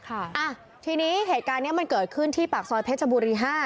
อ่ะทีนี้เหตุการณ์นี้มันเกิดขึ้นที่ปากซอยเพชรบุรี๕